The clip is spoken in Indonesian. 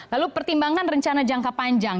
lalu pertimbangan rencana jangka panjang